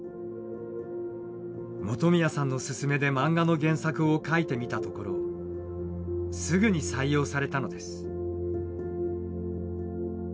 本宮さんの勧めで漫画の原作を書いてみたところすぐに採用されたのです。